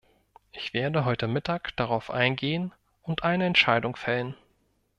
Ich werde heute Mittag darauf eingehen und eine Entscheidung fällen.